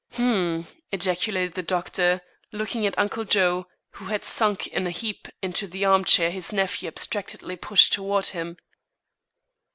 "Humph!" ejaculated the doctor, looking at Uncle Joe, who had sunk in a heap into the arm chair his nephew abstractedly pushed toward him.